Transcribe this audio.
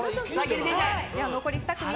残り２つ。